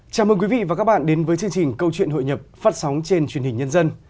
chào mừng quý vị và các bạn đến với chương trình câu chuyện hội nhập phát sóng trên truyền hình nhân dân